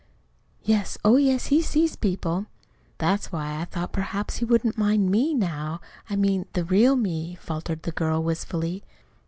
"Yes, oh, yes, he sees people." "That's why I thought perhaps he wouldn't mind ME now I mean the real me," faltered the girl wistfully.